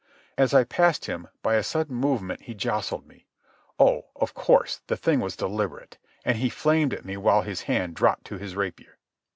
As I passed him by a sudden movement he jostled me. Oh, of course, the thing was deliberate. And he flamed at me while his hand dropped to his rapier.